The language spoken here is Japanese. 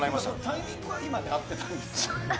タイミングは今で合ってたんですか？